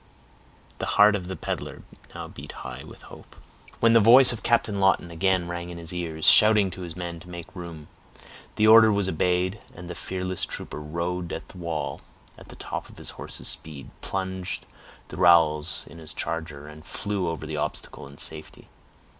The heart of the peddler now beat high with hope, when the voice of Captain Lawton again rang in his ears, shouting to his men to make room. The order was obeyed, and the fearless trooper rode at the wall at the top of his horse's speed, plunged the rowels in his charger, and flew over the obstacle in safety.